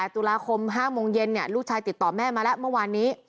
ตุลาคม๕โมงเย็นลูกชายติดต่อแม่มาแล้วเมื่อวานนี้